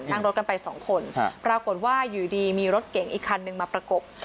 นั่งรถกันไปสองคนปรากฏว่าอยู่ดีมีรถเก๋งอีกคันนึงมาประกบ